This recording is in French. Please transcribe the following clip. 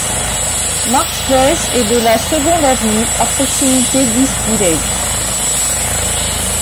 Mark's Place et de la Seconde Avenue, à proximité d'East Village.